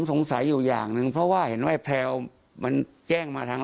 สงสัยอยู่อย่างหนึ่งเพราะว่าเห็นว่าแพลวมันแจ้งมาทาง